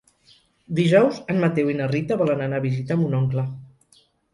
Dijous en Mateu i na Rita volen anar a visitar mon oncle.